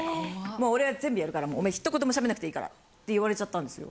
「俺が全部やるからお前ひと言も喋らなくていいから」って言われちゃったんですよ。